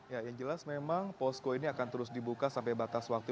ya yang jelas memang posko ini akan terus dibuka sampai batas waktu